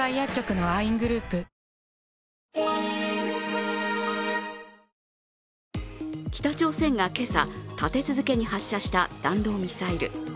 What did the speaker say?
ところが北朝鮮が今朝、立て続けに発射した弾道ミサイル。